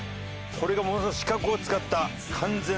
これがものすごい死角を使った完全なる。